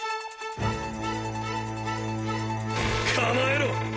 構えろ！